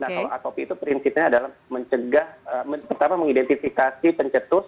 nah kalau atopi itu prinsipnya adalah mencegah pertama mengidentifikasi pencetus